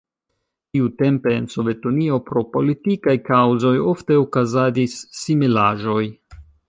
Tiutempe en Sovetunio pro politikaj kaŭzoj ofte okazadis similaĵoj.